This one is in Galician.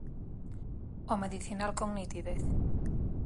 O medicinal con nitidez.